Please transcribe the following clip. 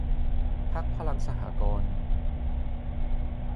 พรรคพลังสหกรณ์